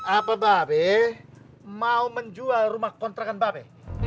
apa mbak be mau menjual rumah kontrakan mbak be